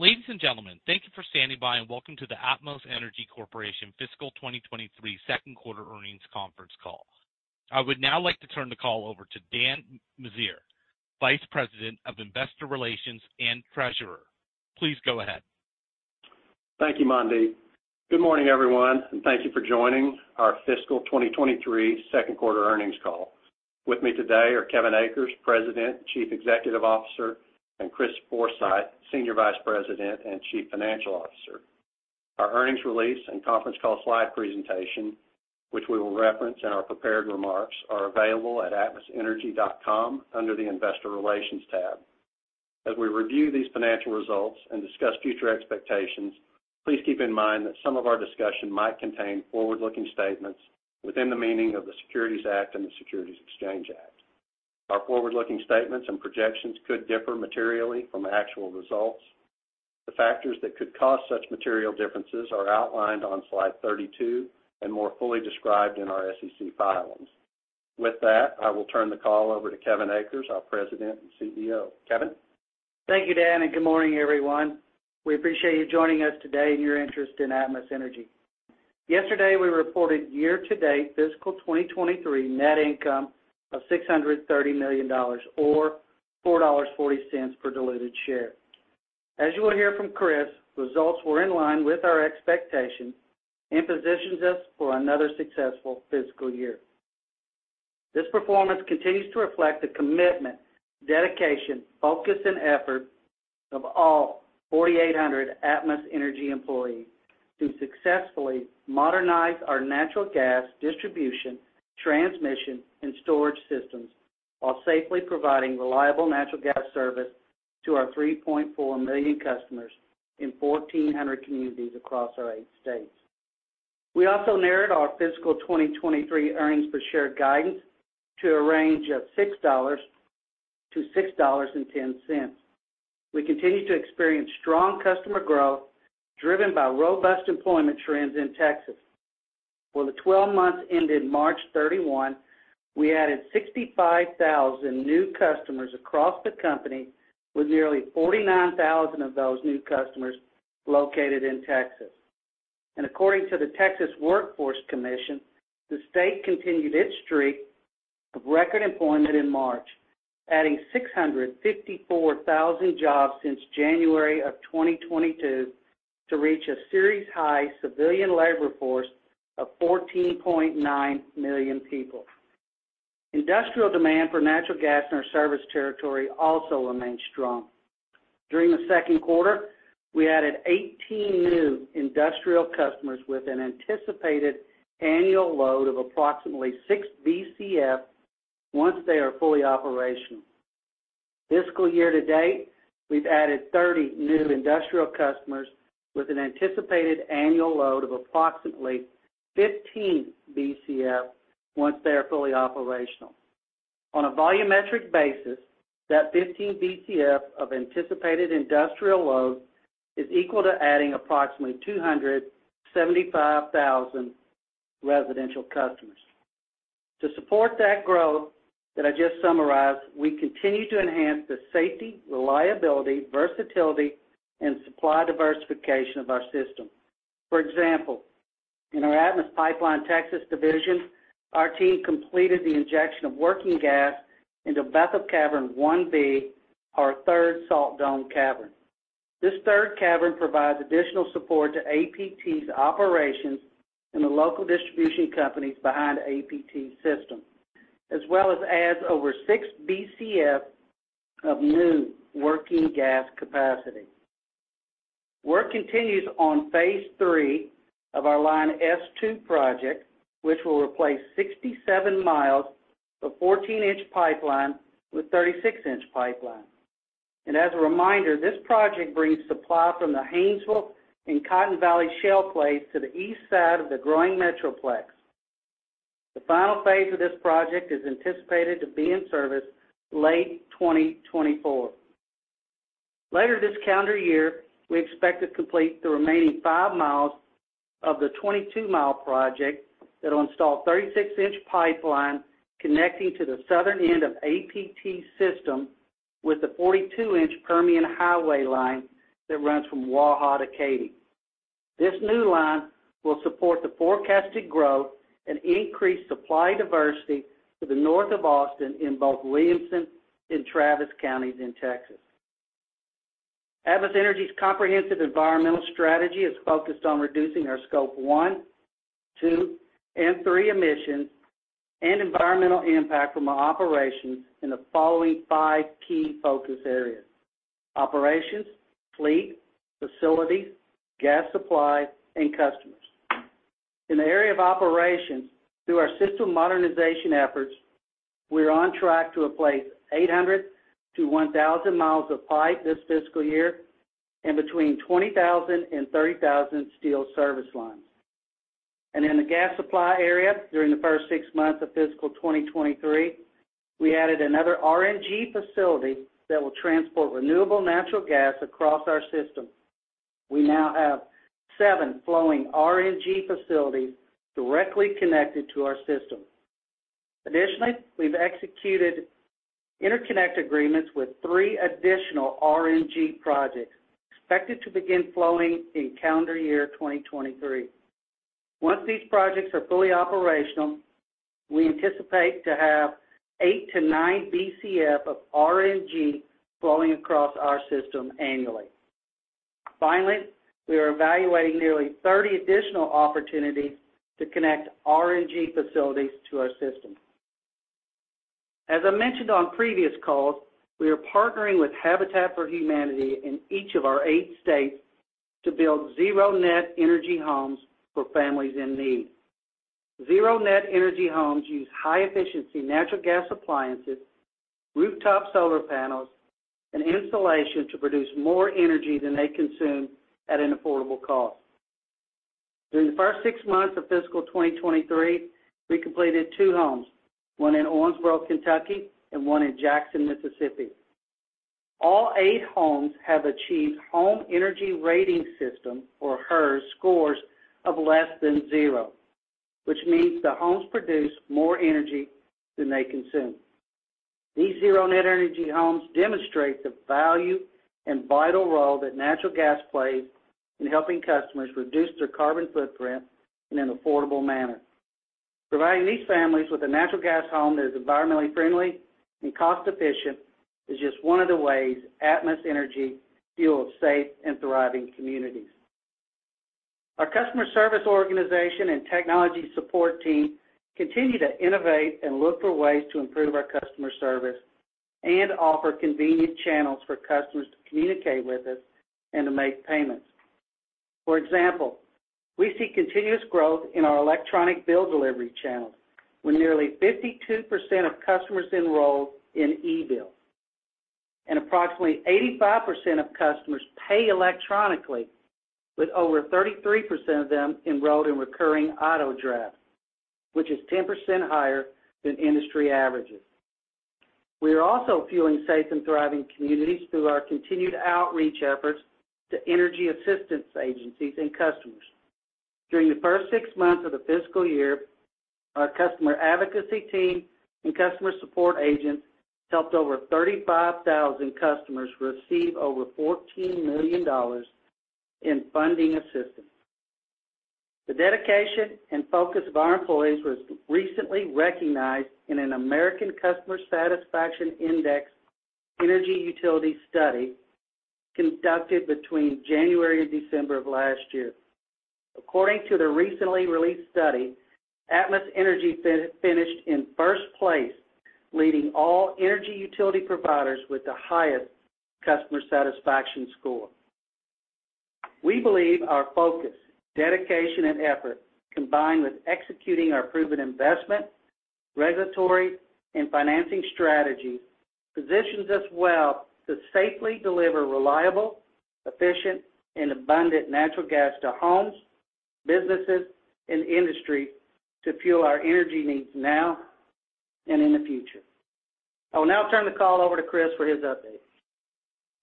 Ladies and gentlemen, thank you for standing by and welcome to the Atmos Energy Corporation Fiscal 2023 second quarter earnings conference call. I would now like to turn the call over to Daniel Meziere, Vice President of Investor Relations and Treasurer. Please go ahead. Thank you, Mandy. Good morning, everyone. Thank you for joining our fiscal 2023 second quarter earnings call. With me today are Kevin Akers, President and Chief Executive Officer, and Chris Forshew, Senior Vice President and Chief Financial Officer. Our earnings release and conference call slide presentation, which we will reference in our prepared remarks, are available at atmosenergy.com under the Investor Relations tab. As we review these financial results and discuss future expectations, please keep in mind that some of our discussion might contain forward-looking statements within the meaning of the Securities Act and the Securities Exchange Act. Our forward-looking statements and projections could differ materially from actual results. The factors that could cause such material differences are outlined on slide 32 and more fully described in our SEC filings. I will turn the call over to Kevin Akers, our President and CEO. Kevin? Thank you, Dan. Good morning, everyone. We appreciate you joining us today and your interest in Atmos Energy. Yesterday, we reported year-to-date fiscal 2023 net income of $630 million or $4.40 per diluted share. As you will hear from Chris, results were in line with our expectations and positions us for another successful fiscal year. This performance continues to reflect the commitment, dedication, focus, and effort of all 4,800 Atmos Energy employees to successfully modernize our natural gas distribution, transmission, and storage systems while safely providing reliable natural gas service to our 3.4 million customers in 1,400 communities across our eight states. We also narrowed our fiscal 2023 earnings per share guidance to a range of $6.00-$6.10. We continue to experience strong customer growth driven by robust employment trends in Texas. For the 12 months ended March 31, we added 65,000 new customers across the company, with nearly 49,000 of those new customers located in Texas. According to the Texas Workforce Commission, the state continued its streak of record employment in March, adding 654,000 jobs since January 2022 to reach a series-high civilian labor force of 14.9 million people. Industrial demand for natural gas in our service territory also remains strong. During the second quarter, we added 18 new industrial customers with an anticipated annual load of approximately 6 Bcf once they are fully operational. Fiscal year to date, we've added 30 new industrial customers with an anticipated annual load of approximately 15 Bcf once they are fully operational. On a volumetric basis, that 15 Bcf of anticipated industrial load is equal to adding approximately 275,000 residential customers. To support that growth that I just summarized, we continue to enhance the safety, reliability, versatility, and supply diversification of our system. For example, in our Atmos Pipeline-Texas division, our team completed the injection of working gas into Bethel Cavern 1B, our third salt dome cavern. This third cavern provides additional support to APT's operations and the local distribution companies behind APT's system, as well as adds over six Bcf of new working gas capacity. Work continues on phase 3 of our Line S-2 project, which will replace 67 miles of 14-inch pipeline with 36-inch pipeline. As a reminder, this project brings supply from the Haynesville and Cotton Valley Shale plays to the east side of the growing metroplex. The final phase of this project is anticipated to be in service late 2024. Later this calendar year, we expect to complete the remaining 5 mil of the 22-mil project that'll install 36-inch pipeline connecting to the southern end of APT system with the 42-inch Permian Highway line that runs from Waha to Katy. This new line will support the forecasted growth and increase supply diversity to the north of Austin in both Williamson and Travis counties in Texas. Atmos Energy's comprehensive environmental strategy is focused on reducing our scope 1, 2, and 3 emissions and environmental impact from our operations in the following five key focus areas: operations, fleet, facilities, gas supply, and customers. In the area of operations, through our system modernization efforts, we're on track to replace 800-1,000 miles of pipe this fiscal year and between 20,000 and 30,000 steel service lines. In the gas supply area during the first six months of fiscal 2023, we added another RNG facility that will transport renewable natural gas across our system. We now have seven flowing RNG facilities directly connected to our system. Additionally, we've executed interconnect agreements with three additional RNG projects expected to begin flowing in calendar year 2023. Once these projects are fully operational, we anticipate to have eight to nine Bcf of RNG flowing across our system annually. Finally, we are evaluating nearly 30 additional opportunities to connect RNG facilities to our system. As I mentioned on previous calls, we are partnering with Habitat for Humanity in each of our eight states to build zero net energy homes for families in need. Zero net energy homes use high-efficiency natural gas appliances, rooftop solar panels, and insulation to produce more energy than they consume at an affordable cost. During the first 6 months of fiscal 2023, we completed two homes, one in Owensboro, Kentucky, and 1 in Jackson, Mississippi. All 8 homes have achieved Home Energy Rating System or HERS scores of less than 0, which means the homes produce more energy than they consume. These zero net energy homes demonstrate the value and vital role that natural gas plays in helping customers reduce their carbon footprint in an affordable manner. Providing these families with a natural gas home that is environmentally friendly and cost-efficient is just one of the ways Atmos Energy fuels safe and thriving communities. Our customer service organization and technology support team continue to innovate and look for ways to improve our customer service and offer convenient channels for customers to communicate with us and to make payments. For example, we see continuous growth in our electronic bill delivery channels, with nearly 52% of customers enrolled in eBill. Approximately 85% of customers pay electronically, with over 33% of them enrolled in recurring auto draft, which is 10% higher than industry averages. We are also fueling safe and thriving communities through our continued outreach efforts to energy assistance agencies and customers. During the first 6 months of the fiscal year, our customer advocacy team and customer support agents helped over 35,000 customers receive over $14 million in funding assistance. The dedication and focus of our employees was recently recognized in an American Customer Satisfaction Index Energy Utility Study conducted between January and December of last year. According to the recently released study, Atmos Energy finished in first place, leading all energy utility providers with the highest customer satisfaction score. We believe our focus, dedication, and effort, combined with executing our proven investment, regulatory, and financing strategy, positions us well to safely deliver reliable, efficient, and abundant natural gas to homes, businesses, and industry to fuel our energy needs now and in the future. I will now turn the call over to Chris for his update.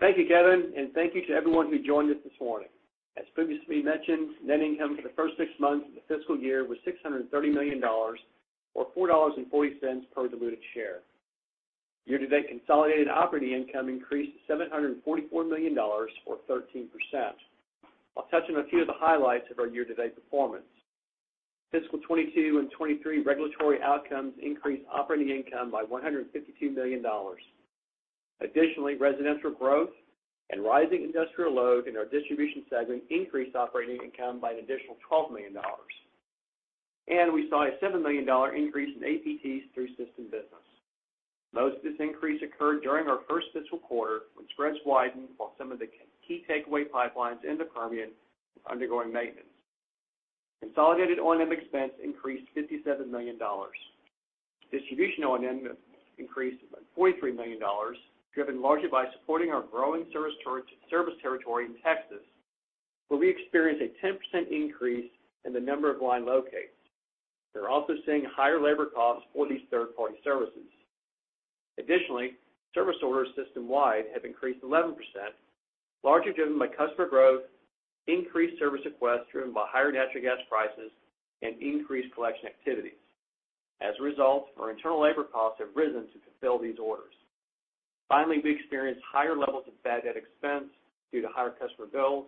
Thank you, Kevin, and thank you to everyone who joined us this morning. As previously mentioned, net income for the first six months of the fiscal year was $630 million or $4.40 per diluted share. Year-to-date consolidated operating income increased to $744 million or 13%. I'll touch on a few of the highlights of our year-to-date performance. Fiscal 2022 and 2023 regulatory outcomes increased operating income by $152 million. Additionally, residential growth and rising industrial load in our distribution segment increased operating income by an additional $12 million. We saw a $7 million increase in APT's through-system business. Most of this increase occurred during our first fiscal quarter when spreads widened while some of the key takeaway pipelines in the Permian were undergoing maintenance. Consolidated O&M expense increased $57 million. Distribution O&M increased $43 million, driven largely by supporting our growing service territory in Texas, where we experienced a 10% increase in the number of line locates. We're also seeing higher labor costs for these third-party services. Service orders system-wide have increased 11%, largely driven by customer growth, increased service requests driven by higher natural gas prices, and increased collection activities. As a result, our internal labor costs have risen to fulfill these orders. We experienced higher levels of bad debt expense due to higher customer bills.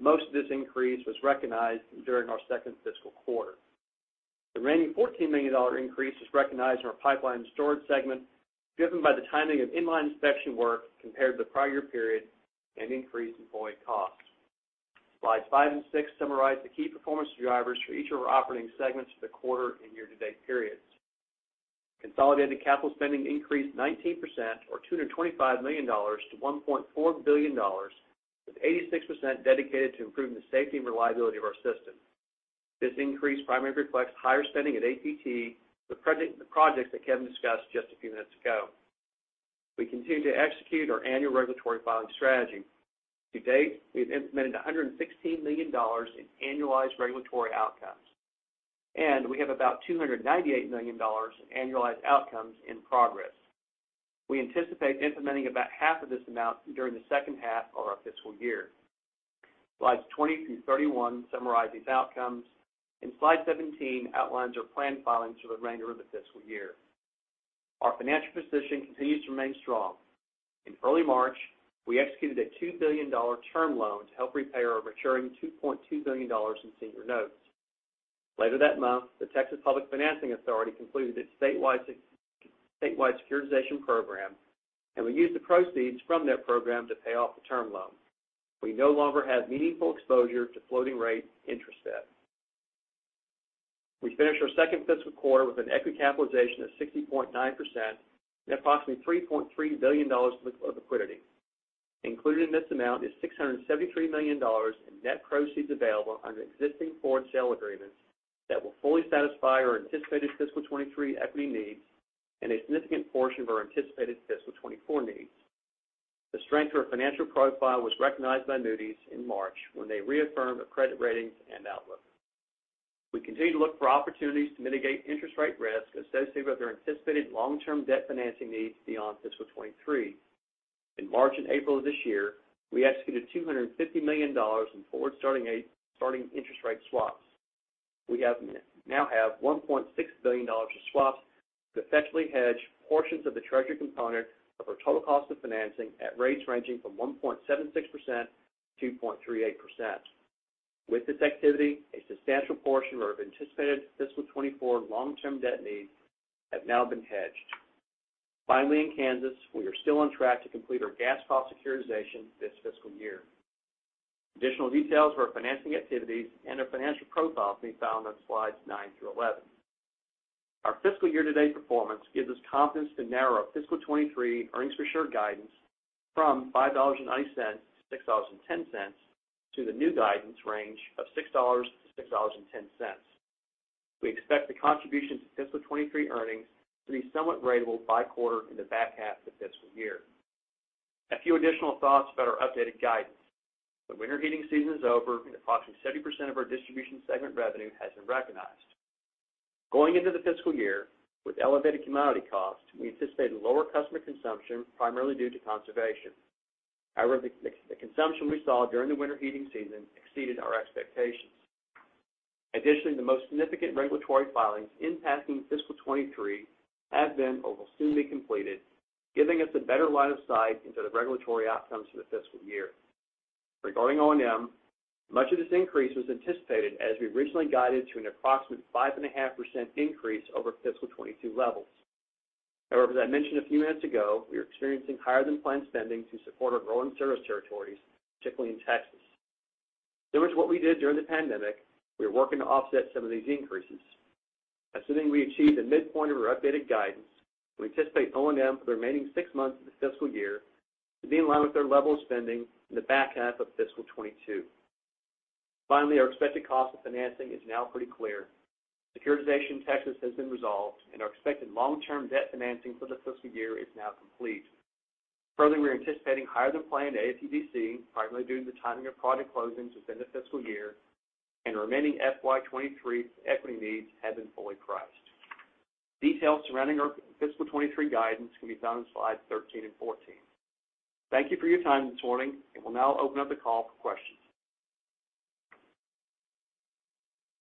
Most of this increase was recognized during our second fiscal quarter. The remaining $14 million increase is recognized in our pipeline storage segment, driven by the timing of inline inspection work compared to the prior year period and increased employee costs. Slides 5 and 6 summarize the key performance drivers for each of our operating segments for the quarter and year-to-date periods. Consolidated capital spending increased 19% or $225 million to $1.4 billion, with 86% dedicated to improving the safety and reliability of our system. This increase primarily reflects higher spending at APT, the project that Kevin discussed just a few minutes ago. We continue to execute our annual regulatory filing strategy. To date, we've implemented $116 million in annualized regulatory outcomes, and we have about $298 million in annualized outcomes in progress. We anticipate implementing about half of this amount during the second half of our fiscal year. Slides 20 through 31 summarize these outcomes, and Slide 17 outlines our planned filings for the remainder of the fiscal year. Our financial position continues to remain strong. In early March, we executed a $2 billion term loan to help repay our maturing $2.2 billion in senior notes. Later that month, the Texas Public Finance Authority completed its statewide securitization program, we used the proceeds from that program to pay off the term loan. We no longer have meaningful exposure to floating rate interest debt. We finished our second fiscal quarter with an equity capitalization of 60.9% and approximately $3.3 billion worth of liquidity. Included in this amount is $673 million in net proceeds available under existing forward sale agreements that will fully satisfy our anticipated fiscal 2023 equity needs and a significant portion of our anticipated fiscal 2024 needs. The strength of our financial profile was recognized by Moody's in March when they reaffirmed the credit ratings and outlook. We continue to look for opportunities to mitigate interest rate risk associated with our anticipated long-term debt financing needs beyond fiscal 2023. In March and April of this year, we executed $250 million in forward starting interest rate swaps. We now have $1.6 billion of swaps to effectively hedge portions of the treasury component of our total cost of financing at rates ranging from 1.76%-2.38%. With this activity, a substantial portion of our anticipated fiscal 2024 long-term debt needs have now been hedged. Finally, in Kansas, we are still on track to complete our gas cost securitization this fiscal year. Additional details of our financing activities and our financial profile can be found on slides 9 through 11. Our fiscal year-to-date performance gives us confidence to narrow our fiscal 23 earnings per share guidance from $5.90-$6.10 to the new guidance range of $6.00-$6.10. We expect the contribution to fiscal 23 earnings to be somewhat ratable by quarter in the back half of the fiscal year. A few additional thoughts about our updated guidance. The winter heating season is over, and approximately 70% of our distribution segment revenue has been recognized. Going into the fiscal year with elevated commodity costs, we anticipated lower customer consumption, primarily due to conservation. However, the consumption we saw during the winter heating season exceeded our expectations. Additionally, the most significant regulatory filings impacting fiscal 2023 have been or will soon be completed, giving us a better line of sight into the regulatory outcomes for the fiscal year. Regarding O&M, much of this increase was anticipated as we originally guided to an approximate 5.5% increase over fiscal 2022 levels. However, as I mentioned a few minutes ago, we are experiencing higher than planned spending to support our growing service territories, particularly in Texas. Similar to what we did during the pandemic, we are working to offset some of these increases. Assuming we achieve the midpoint of our updated guidance, we anticipate O&M for the remaining six months of the fiscal year to be in line with our level of spending in the back half of fiscal 2022. Finally, our expected cost of financing is now pretty clear. Securitization in Texas has been resolved, and our expected long-term debt financing for the fiscal year is now complete. We are anticipating higher than planned ATBC, primarily due to the timing of project closings within the fiscal year, and our remaining FY 2023 equity needs have been fully priced. Details surrounding our fiscal 2023 guidance can be found on slides 13 and 14. Thank you for your time this morning, and we'll now open up the call for questions.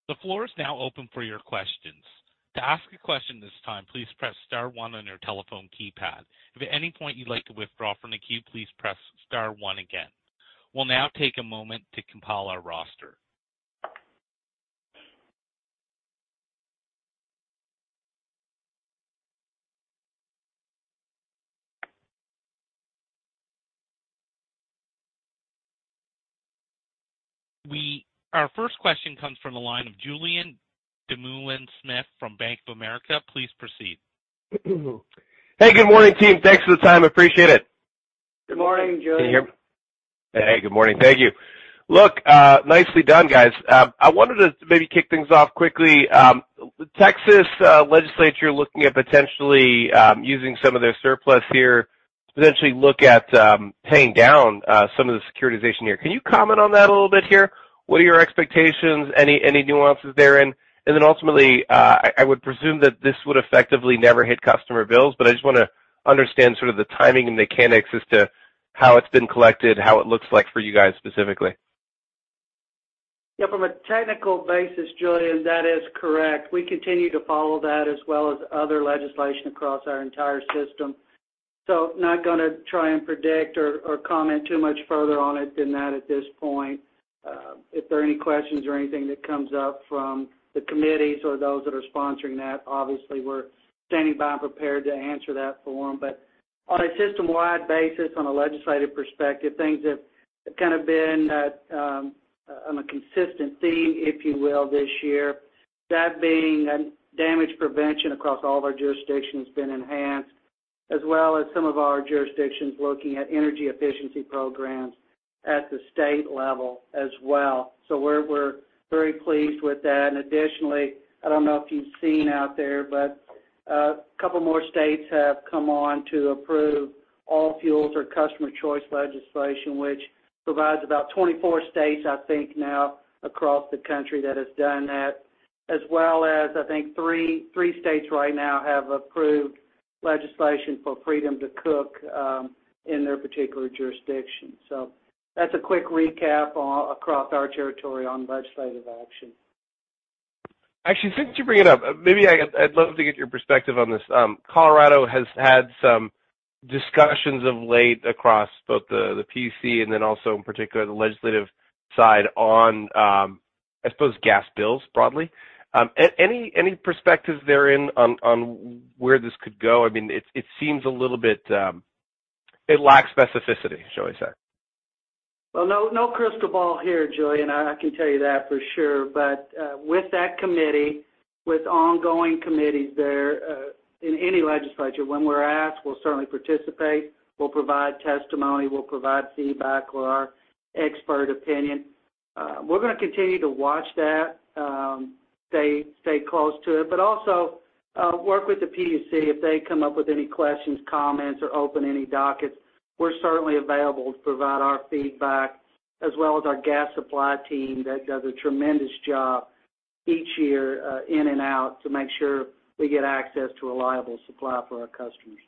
The floor is now open for your questions. To ask a question at this time, please press star one on your telephone keypad. If at any point you'd like to withdraw from the queue, please press star one again. Our first question comes from the line of Julien Dumoulin-Smith from Bank of America. Please proceed. Hey, good morning, team. Thanks for the time. Appreciate it. Good morning, Julien. Can you hear me? Hey, good morning. Thank you. Look, nicely done, guys. I wanted to maybe kick things off quickly. Texas legislature looking at potentially using some of their surplus here to potentially look at paying down some of the securitization here. Can you comment on that a little bit here? What are your expectations? Any nuances therein? Ultimately, I would presume that this would effectively never hit customer bills, but I just wanna understand sort of the timing and mechanics as to how it's been collected, how it looks like for you guys specifically. Yeah. From a technical basis, Julien, that is correct. We continue to follow that as well as other legislation across our entire system. Not gonna try and predict or comment too much further on it than that at this point. If there are any questions or anything that comes up from the committees or those that are sponsoring that, obviously, we're standing by and prepared to answer that for them. On a system-wide basis, on a legislative perspective, things have kind of been at on a consistent theme, if you will, this year. That being, damage prevention across all of our jurisdictions has been enhanced, as well as some of our jurisdictions looking at energy efficiency programs at the state level as well. We're very pleased with that. Additionally, I don't know if you've seen out there, but a couple more states have come on to approve all-fuels or customer choice legislation, which provides about 24 states, I think, now across the country that has done that. As well as I think three states right now have approved legislation for Freedom to Cook in their particular jurisdiction. That's a quick recap across our territory on legislative action. Actually, since you bring it up, maybe I'd love to get your perspective on this. Colorado has had some discussions of late across both the PUC and then also in particular the legislative side on, I suppose gas bills broadly. Any perspectives there in on where this could go? I mean, it seems a little bit, it lacks specificity, shall we say. Well, no crystal ball here, Julien. I can tell you that for sure. With that committee, with ongoing committees there, in any legislature, when we're asked, we'll certainly participate. We'll provide testimony. We'll provide feedback or our expert opinion. We're gonna continue to watch that, stay close to it, but also, work with the PUC if they come up with any questions, comments, or open any dockets. We're certainly available to provide our feedback as well as our gas supply team that does a tremendous job each year, in and out to make sure we get access to a reliable supply for our customers.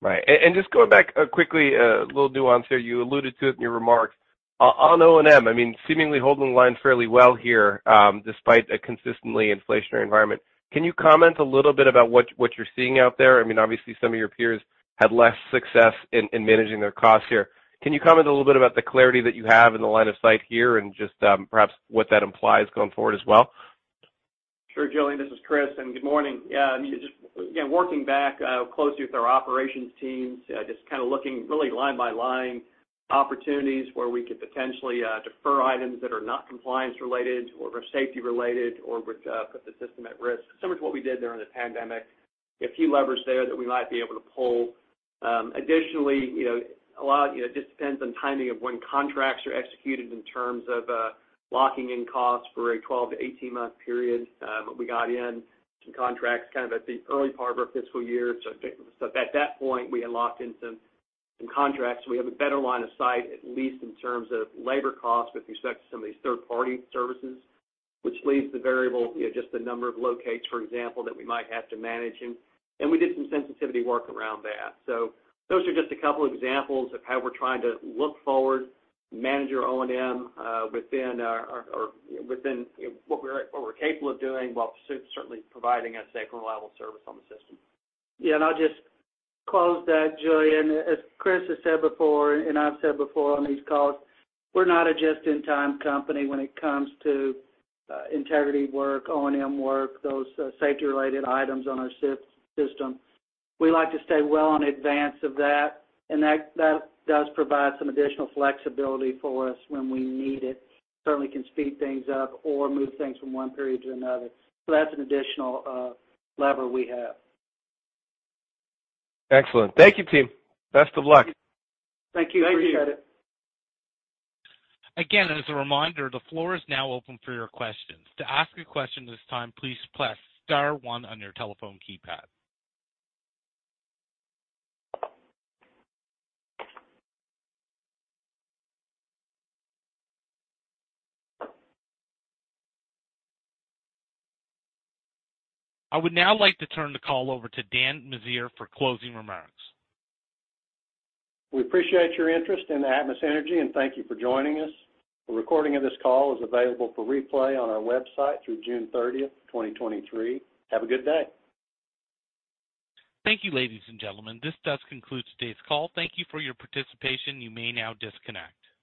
Right. Just going back quickly, a little nuance here. You alluded to it in your remarks. On, on O&M, I mean, seemingly holding the line fairly well here, despite a consistently inflationary environment. Can you comment a little bit about what you're seeing out there? I mean, obviously, some of your peers had less success in managing their costs here. Can you comment a little bit about the clarity that you have in the line of sight here and just, perhaps what that implies going forward as well? Sure, Julien, this is Chris. Good morning. Yeah, I mean, just, again, working back, closely with our operations teams, just kind of looking really line by line opportunities where we could potentially defer items that are not compliance related or safety related or would put the system at risk. Similar to what we did during the pandemic. A few levers there that we might be able to pull. Additionally, you know, a lot, you know, just depends on timing of when contracts are executed in terms of locking in costs for a 12-18-month period. We got in some contracts kind of at the early part of our fiscal year. At that point, we had locked in some contracts. We have a better line of sight, at least in terms of labor costs with respect to some of these third-party services, which leaves the variable, you know, just the number of locates, for example, that we might have to manage. We did some sensitivity work around that. Those are just a couple examples of how we're trying to look forward, manage our O&M within what we're capable of doing while certainly providing a safe and reliable service on the system. Yeah, I'll just close that, Julien. As Chris has said before and I've said before on these calls, we're not a just-in-time company when it comes to integrity work, O&M work, those safety-related items on our system. We like to stay well in advance of that does provide some additional flexibility for us when we need it. Certainly can speed things up or move things from one period to another. That's an additional lever we have. Excellent. Thank you, team. Best of luck. Thank you. Appreciate it. Thank you. As a reminder, the floor is now open for your questions. To ask a question at this time, please press star one on your telephone keypad. I would now like to turn the call over to Daniel Meziere for closing remarks. We appreciate your interest in Atmos Energy, and thank you for joining us. A recording of this call is available for replay on our website through June 30th, 2023. Have a good day. Thank you, ladies and gentlemen. This does conclude today's call. Thank you for your participation. You may now disconnect.